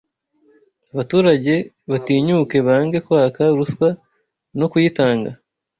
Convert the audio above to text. Abaturage batinyuke bange kwaka ruswa no kuyitanga